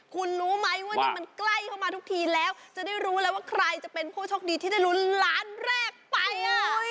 คุณรู้ไหมว่านี่มันใกล้เข้ามาทุกทีแล้วจะได้รู้แล้วว่าใครจะเป็นผู้โชคดีที่ได้ลุ้นล้านแรกไป